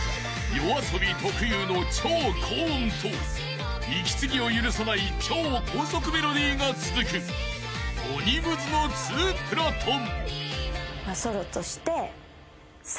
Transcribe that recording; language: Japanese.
［ＹＯＡＳＯＢＩ特有の超高音と息継ぎを許さない超高速メロディーが続く鬼ムズのツープラトン］